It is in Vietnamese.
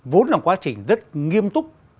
vốn là quá trình rất nghiêm túc